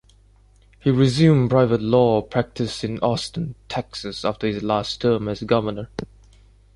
He resumed private law practice in Austin, Texas after his last term as governor.